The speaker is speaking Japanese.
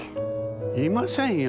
いませんよ。